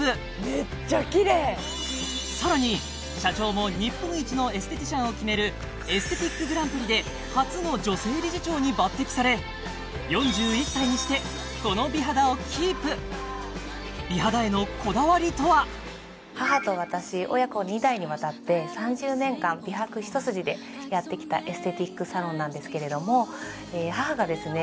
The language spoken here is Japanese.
めっちゃきれいさらに社長も日本一のエステティシャンを決めるエステティックグランプリで初の女性理事長に抜てきされ４１歳にしてこの美肌をキープ美肌へのこだわりとは母と私親子二代にわたって３０年間美白一筋でやってきたエステティックサロンなんですけれども母がですね